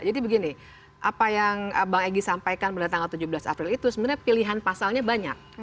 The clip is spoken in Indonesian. jadi begini apa yang bang egy sampaikan pada tanggal tujuh belas april itu sebenarnya pilihan pasalnya banyak